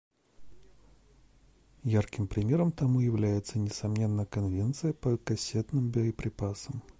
Ярким примером тому является, несомненно, Конвенция по кассетным боеприпасам.